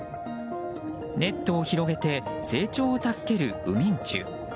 ネットを広げて成長を助ける海人。